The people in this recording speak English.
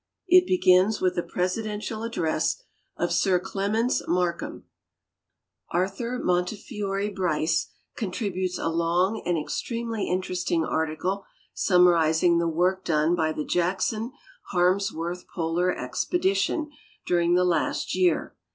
It begins with the presi dential address of Sir Clements 3Iarkham. .\rthur Montetiore Brice con tributes a long and extremely interesting article snnnnarizing the work done by the Jacksou Harmsworth Polar Expedition during the last year.